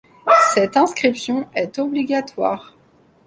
Cette inscription est obligatoire.